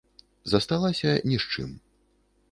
Засталася ні з чым.